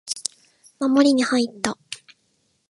守りに入った